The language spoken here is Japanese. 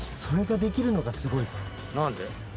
それができるのがすごいです。